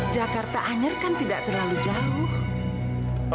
jakarta anyer kan tidak terlalu jauh